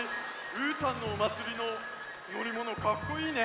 うーたんのおまつりののりものかっこいいね。